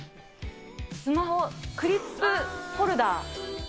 スマホクリップホルダー。